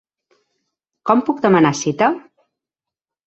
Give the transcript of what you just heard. Com puc demanar cita?